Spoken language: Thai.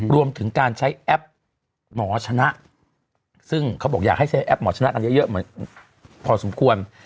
รวมถึงการใช้แอปหมอชนะซึ่งเขาบอกอยากให้ใช้แอปหมอชนะกันเยอะเหมือนพอสมควร